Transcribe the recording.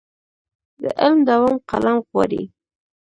د علم دوام قلم غواړي.